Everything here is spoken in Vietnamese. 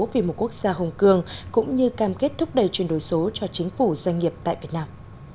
vì một quốc gia hồng cường cũng như cam kết thúc đẩy chuyển đổi số cho chính phủ doanh nghiệp tại việt nam